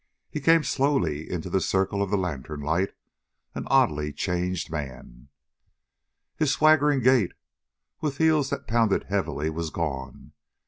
He came slowly into the circle of the lantern light, an oddly changed man. His swaggering gait, with heels that pounded heavily, was gone.